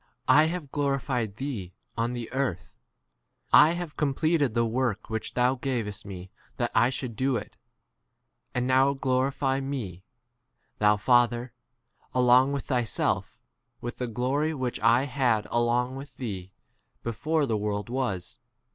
I * have glorified thee on the earth, [I have] d completed the work which thou gavest me that I should do 5 [it] ; and now glorify me, thou Fa ther, along with e thyself, with the glory which I had along with e 6 thee before the world was.